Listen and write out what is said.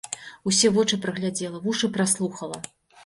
Усе вочы праглядзела, вушы праслухала.